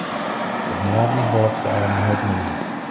Od nedávných voleb se ale mnohé změnilo.